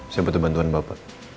saya butuh bantuan bapak